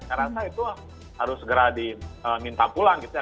saya rasa itu harus segera diminta pulang gitu ya